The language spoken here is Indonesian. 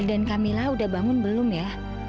fadl dan kamilah udah bangun belum ya